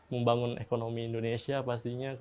membangun ekonomi indonesia pastinya